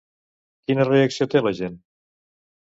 Quina reacció té la gent?